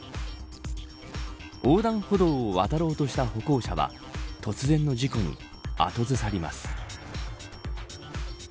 横断歩道を渡ろうとした歩行者は突然の事故に、後ずさります。